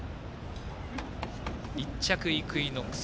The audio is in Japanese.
１着、イクイノックス。